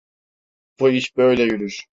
Bu iş böyle yürür.